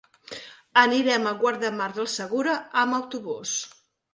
Anirem a Guardamar del Segura amb autobús.